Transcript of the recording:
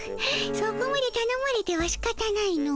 そこまでたのまれてはしかたないの。